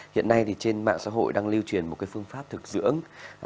hiện nay thì trên mạng xã hội đang lưu truyền một cái phương pháp thực dưỡng